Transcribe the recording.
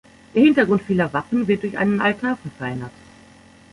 Der Hintergrund vieler Wappen wird durch einen Altar verfeinert.